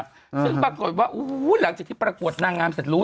ซึ่งปรากฏว่าหลังจากที่ประกวดนางงามเสร็จรู้